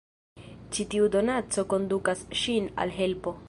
Ĉi tiu donaco kondukas ŝin al helpo...